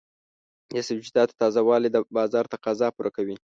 د سبزیجاتو تازه والي د بازار تقاضا پوره کوي.